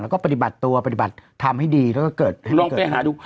แล้วก็ปฏิบัติตัวปฏิบัติทำให้ดีแล้วก็เกิดลองไปหาดู